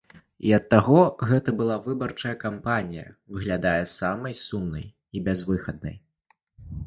І ад таго гэта выбарчая кампанія выглядае самай сумнай і бязвыхаднай.